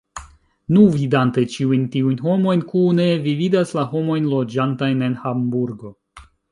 Nu, vidante ĉiujn tiujn homojn kune, vi vidas la homojn loĝantajn en Hamburgo.